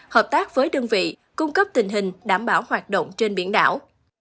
hợp tác với đơn vị cung cấp tình hình đảm bảo hoạt động trên biển đảo